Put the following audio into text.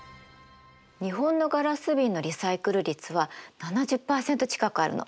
日本のガラス瓶のリサイクル率は７０％近くあるの。